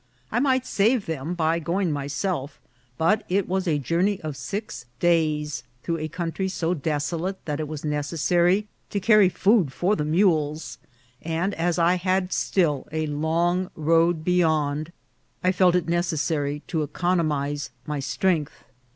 I might save them by going myself ; but it was a journey of six days, through a country so des olate that it was necessary to carry food for the mules ; and as I had still a long road beyond, I felt it necessa ry to economize my strength.